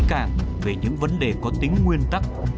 kỹ cạn về những vấn đề có tính nguyên tắc